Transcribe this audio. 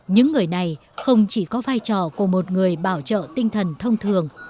những người này không chỉ có vai trò của một người bảo trợ tinh thần thông thường